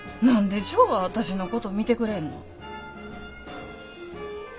何でジョーは私のこと見てくれへんの。